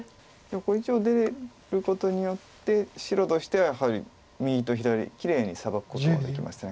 これ一応出ることによって白としてはやはり右と左きれいにサバくことができました。